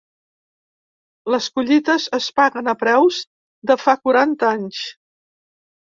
Les collites es paguen a preus de fa quaranta anys.